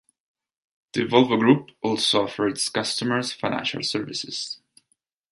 The Volvo Group also offers its customers financial services.